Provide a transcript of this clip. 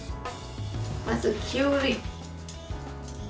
まず、きゅうり。